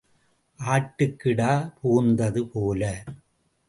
ஆட்டுக்கிடா புகுந்தது போல.